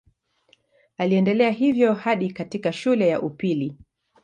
Aliendelea hivyo hadi katika shule ya upili.